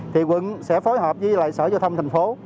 thì quận sẽ phối hợp với lại sở giao thông thành phố